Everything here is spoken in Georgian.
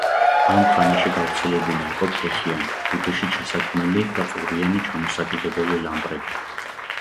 ამ ხანაში გავრცელებული იყო ფეხიანი, ბუდეში ჩასადგმელი და ყურიანი, ჩამოსაკიდებელი ლამპრები.